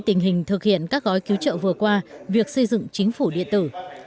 mình thực hiện các gói cứu trợ vừa qua việc xây dựng chính phủ điện tử